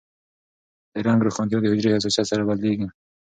د رنګ روښانتیا د حجرې حساسیت سره بدلېږي.